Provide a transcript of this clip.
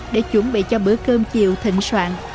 để chuẩn bị cho bữa cơm chiều thịnh soạn